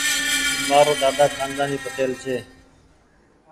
مآرو ۮاۮا کآندآني پٽيل ڇي۔